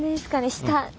下。